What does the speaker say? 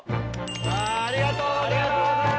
ありがとうございます。